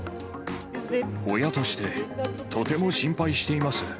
親としてとても心配しています。